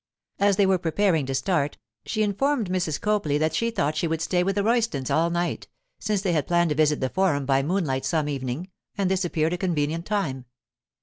As they were preparing to start, she informed Mrs. Copley that she thought she would stay with the Roystons all night, since they had planned to visit the Forum by moonlight some evening, and this appeared a convenient time.